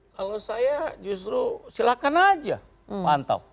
kalau saya justru silakan aja pantau